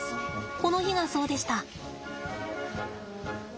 この日がそうでした。